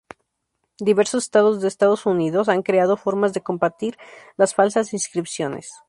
Diversos estados de Estados Unidos han creado formas de combatir las falsas inscripciones.